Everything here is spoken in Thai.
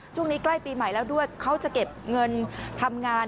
ใกล้ปีใหม่แล้วด้วยเขาจะเก็บเงินทำงาน